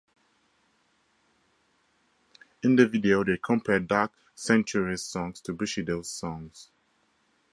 In the video they compared Dark Sanctuary's songs to Bushido's songs.